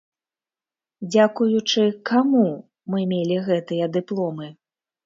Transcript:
Дзякуючы каму мы мелі гэтыя дыпломы?